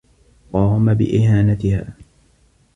قام بإهانتها.